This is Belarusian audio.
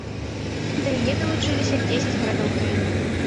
Да яе далучыліся дзесяць гарадоў краіны.